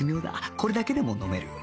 これだけでも飲める